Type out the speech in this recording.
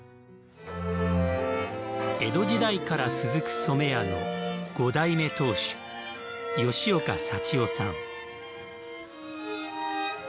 江戸時代から続く染屋の５代目当主吉岡幸雄さん。